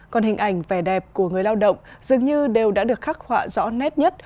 còn hình ảnh vẻ đẹp của người lao động dường như đều đã được khắc họa rõ nét nhất